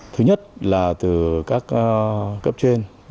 thứ nhất là từ các cấp trên